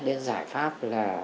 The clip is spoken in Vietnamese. đến giải pháp